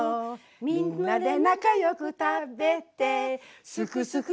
「みんなで仲良く食べてすくすく元気イェーイ！」